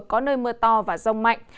có nơi mưa to và rông mạnh